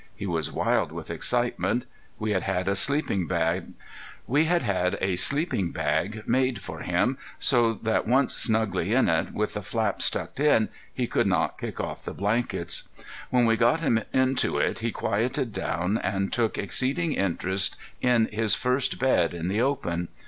He was wild with excitement. We had had a sleeping bag made for him so that once snugly in it, with the flaps buckled he could not kick off the blankets. When we got him into it he quieted down and took exceeding interest in his first bed in the open.